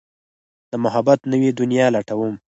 د محبت نوې دنيا لټوم